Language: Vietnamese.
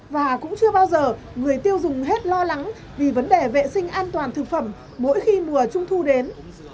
và cũng chưa bao giờ người tiêu dùng hết lo lắng vì vấn đề vệ sinh an toàn thực phẩm mỗi khi mùa trung thu đến